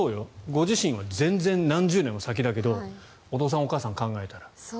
ご自身は何十年も先だけどお父さん、お母さんを考えると。